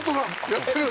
やってる！